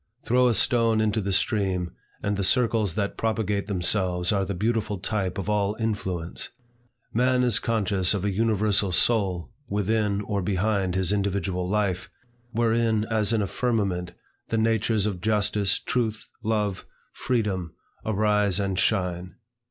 Throw a stone into the stream, and the circles that propagate themselves are the beautiful type of all influence. Man is conscious of a universal soul within or behind his individual life, wherein, as in a firmament, the natures of Justice, Truth, Love, Freedom, arise and shine.